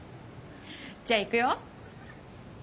じゃあいくよ。